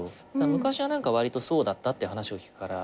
昔は割とそうだったって話を聞くから。